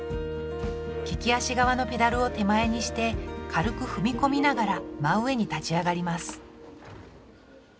利き足側のペダルを手前にして軽く踏み込みながら真上に立ち上がります